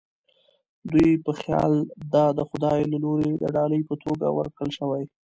دوی په خیال دا د خدای له لوري د ډالۍ په توګه ورکړل شوې.